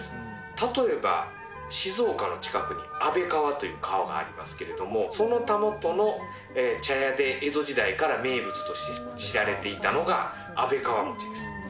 例えば、静岡の近くに安倍川という川がありますけれども、そのたもとの茶屋で江戸時代から名物として知られていたのが、安倍川餅です。